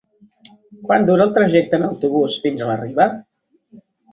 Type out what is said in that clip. Quant dura el trajecte en autobús fins a la Riba?